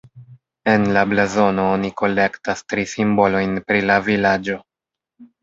En la blazono oni kolektas tri simbolojn pri la vilaĝo.